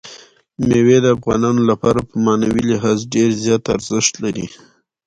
مېوې د افغانانو لپاره په معنوي لحاظ ډېر زیات ارزښت لري.